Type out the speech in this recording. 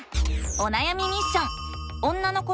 おなやみミッション！